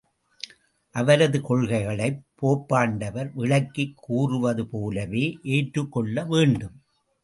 அவரது கொள்கைகளைப் போப்பாண்டவர் விளக்கிக் கூறுவது போலவே ஏற்றுக் கொள்ளவேண்டும்.